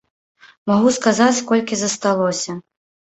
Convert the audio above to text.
Магу сказаць, колькі засталося.